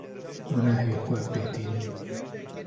Gunehê xwe pê tînin.